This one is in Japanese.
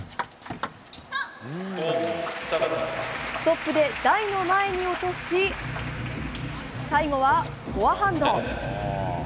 ストップで台の前に落とし最後はフォアハンド。